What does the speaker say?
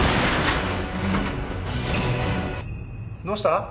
どうした？